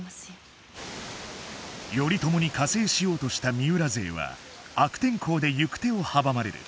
頼朝に加勢しようとした三浦勢は悪天候で行く手を阻まれる。